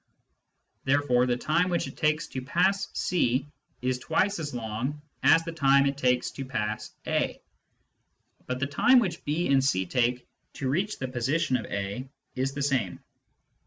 Therefore the time which it takes to pass C is twice as long as the time it takes to pass A. But the time which B and C take to reach the position of A is the same.